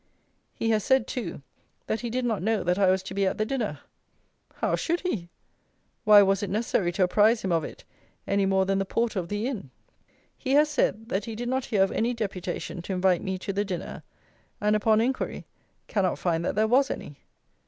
He has said, too, that he did not know that I was to be at the dinner. How should he? Why was it necessary to apprise him of it any more than the porter of the inn? He has said, that he did not hear of any deputation to invite me to the dinner, and, "upon inquiry," cannot find that there was any.